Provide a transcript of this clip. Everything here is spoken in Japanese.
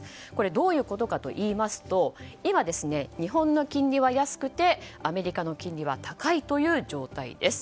どういうことかといいますと今、日本の金利は安くてアメリカの金利は高いという状態です。